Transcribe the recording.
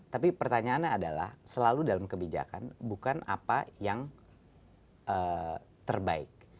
tapi pertanyaannya adalah selalu dalam kebijakan bukan apa yang terbaik